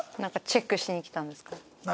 チェックしに来たんですかね。